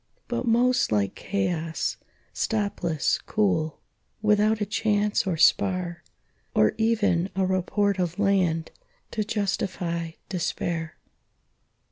But most like chaos, stopless, cool, Without a chance or spar, Or even a report of land To justify despair.